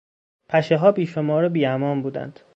پشهها بیشمار و بیامان بودند.